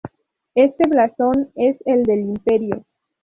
Este blasón es el del Imperio.